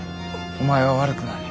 お前は悪くない。